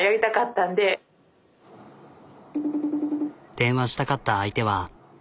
電話したかった相手は。